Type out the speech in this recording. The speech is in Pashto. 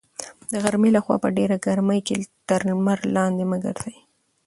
د غرمې لخوا په ډېره ګرمۍ کې تر لمر لاندې مه ګرځئ.